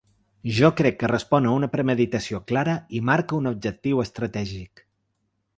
Jo crec que respon a una premeditació clara i marca un objectiu estratègic.